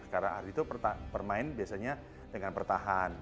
karena ardi itu bermain biasanya dengan pertahan